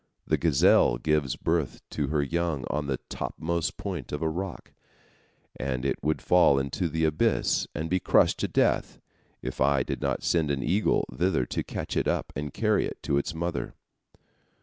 The gazelle gives birth to her young on the topmost point of a rock, and it would fall into the abyss and be crushed to death, if I did not send an eagle thither to catch it up and carry it to its mother.